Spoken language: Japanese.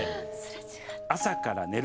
朝から寝るまで